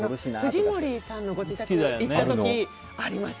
藤森さんのご自宅に行った時ありました。